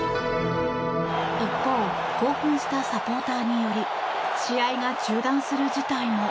一方、興奮したサポーターにより試合が中断する事態も。